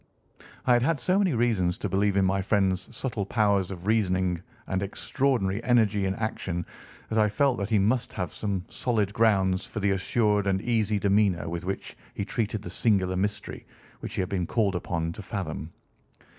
I had had so many reasons to believe in my friend's subtle powers of reasoning and extraordinary energy in action that I felt that he must have some solid grounds for the assured and easy demeanour with which he treated the singular mystery which he had been called upon to fathom.